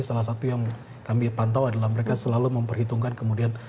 salah satu yang kami pantau adalah mereka selalu memperhitungkan kemudian